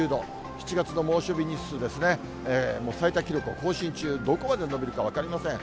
７月の猛暑日日数ですね、最多記録を更新中、どこまで伸びるか分かりません。